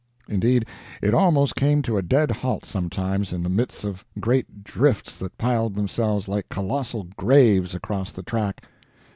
Indeed, it almost came to a dead halt sometimes, in the midst of great drifts that piled themselves like colossal graves across the track.